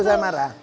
itu saya marah